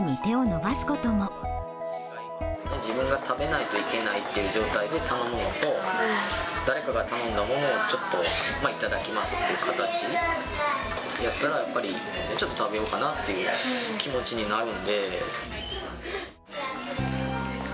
自分が食べないといけないって状態で頼むのと、誰かが頼んだものをちょっと頂きますっていう形やったらやっぱりちょっと食べようかなっていう気持ちになるんで。